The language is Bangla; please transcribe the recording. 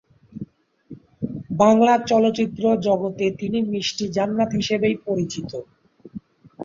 বাংলা চলচ্চিত্র জগতে তিনি মিষ্টি জান্নাত হিসেবেই পরিচিত।